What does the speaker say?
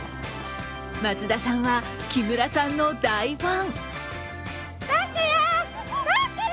松田さんは、木村さんの大ファン。